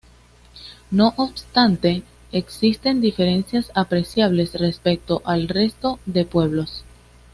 No obstante existen diferencias apreciables respecto al resto de pueblos.